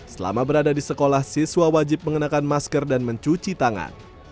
selama berada di sekolah siswa wajib mengenakan masker dan mencuci tangan